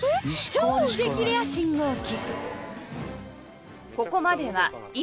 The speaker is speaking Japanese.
超激レア信号機